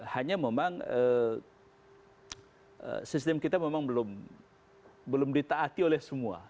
hanya memang sistem kita memang belum ditaati oleh semua